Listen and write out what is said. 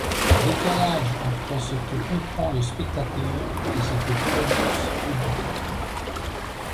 Décalage entre ce que comprend le spectateur et ce que prononce Œdipe.